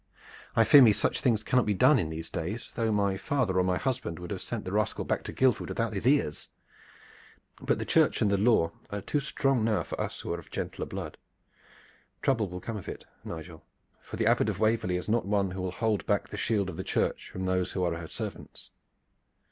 I fear me such things cannot be done in these days, though my father or my husband would have sent the rascal back to Guildford without his ears. But the Church and the Law are too strong now for us who are of gentler blood. Trouble will come of it, Nigel, for the Abbot of Waverley is not one who will hold back the shield of the Church from those who are her servants."